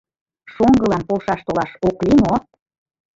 Шоҥгылан полшаш толаш ок лий мо?